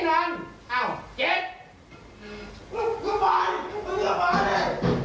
มานี่ลองดิมึงมานี่ลองดิชาวบ้านจะได้นอนเอา๗